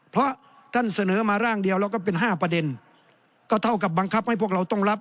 เพราะท่านเสนอมาร่างเดียวแล้วก็เป็นห้าประเด็นก็เท่ากับบังคับให้พวกเราต้องรับ